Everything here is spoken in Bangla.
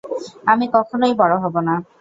আমি কখনই বড় হব না।